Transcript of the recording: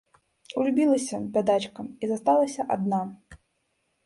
Улюбілася, бядачка, і засталася адна.